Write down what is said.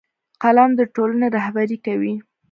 قلم د ټولنې رهبري کوي